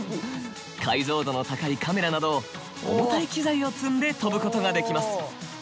解像度の高いカメラなど重たい機材を積んで飛ぶことができます。